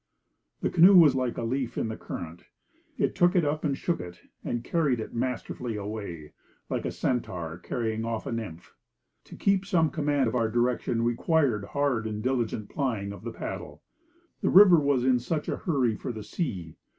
The canoe was like a leaf in the current. It took it up and shook it, and carried it masterfully away, like a Centaur carrying off a nymph. To keep some command on our direction required hard and diligent plying of the paddle. The river was in such a hurry for the sea!